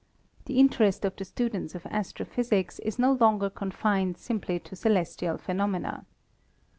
The interest of the student of astrophys ics is no longer confined simply to celestial phenomena.